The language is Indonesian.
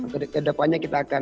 kedepannya kita akan